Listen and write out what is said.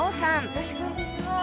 よろしくお願いします。